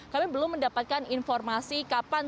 kami belum mendapatkan informasi kapan